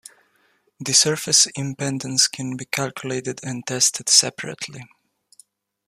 The surface impedance can be calculated and tested separately.